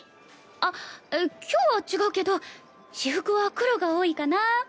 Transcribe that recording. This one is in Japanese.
あっ今日は違うけど私服は黒が多いかな。